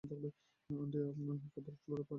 Aunty, আপনার কাপড় floor ঝাড়ু দিচ্ছে।